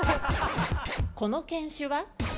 この犬種は？